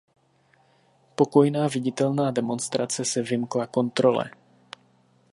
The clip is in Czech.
Pokojná viditelná demonstrace se vymkla kontrole.